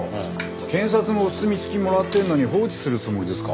検察のお墨付きもらってるのに放置するつもりですか？